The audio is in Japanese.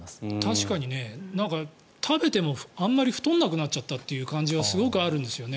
確かに食べてもあまり太らなくなっちゃったという感じがすごくあるんですよね。